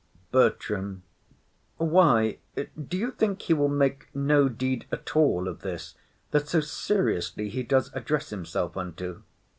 BERTRAM. Why, do you think he will make no deed at all of this, that so seriously he does address himself unto?